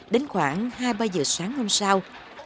đến khoảng hai ba giờ sáng hôm sau